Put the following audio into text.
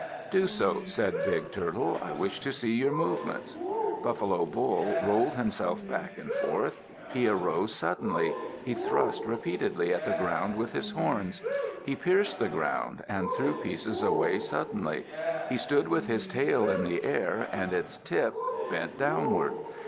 "Do so," said Big Turtle. "I wish to see your movements." Buffalo Bull rolled himself back and forth. He arose suddenly. He thrust repeatedly at the ground with his horns. He pierced the ground and threw pieces away suddenly. He stood with his tail in the air and its tip bent downward.